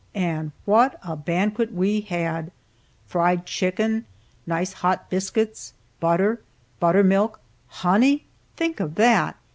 And what a banquet we had! Fried chicken, nice hot biscuits, butter, butter milk, honey, (think of that!)